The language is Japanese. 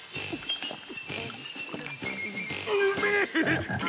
うめえ！